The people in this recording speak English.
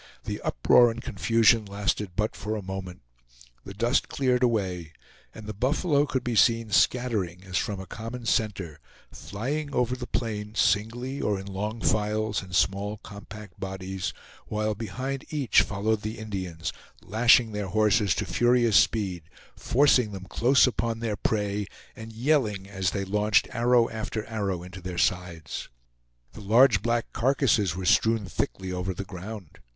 The uproar and confusion lasted but for a moment. The dust cleared away, and the buffalo could be seen scattering as from a common center, flying over the plain singly, or in long files and small compact bodies, while behind each followed the Indians, lashing their horses to furious speed, forcing them close upon their prey, and yelling as they launched arrow after arrow into their sides. The large black carcasses were strewn thickly over the ground.